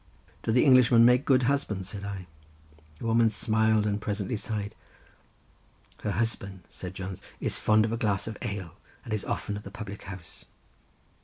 "Do the Englishmen make good husbands?" said I. The woman smiled and presently sighed. "Her husband," said Jones, "is fond of a glass of ale and is often at the public house."